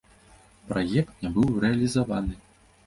Праект не быў рэалізаваны.